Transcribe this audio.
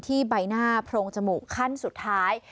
ใบหน้าโพรงจมูกขั้นสุดท้าย